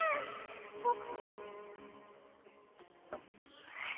あっ⁉